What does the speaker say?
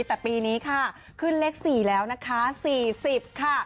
แต่ปีนี้ค่ะขึ้นเลข๔แล้วนะคะ๔๐ค่ะ